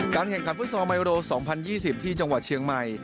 แข่งขันฟุตซอลไมโร๒๐๒๐ที่จังหวัดเชียงใหม่